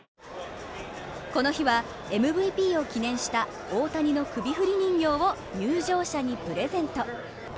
この日はＭＶＰを記念した大谷の首振り人形を入場者にプレゼント。